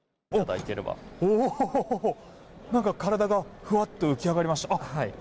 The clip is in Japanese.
何か、体がふわっと浮き上がりました。